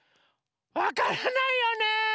わからないよね。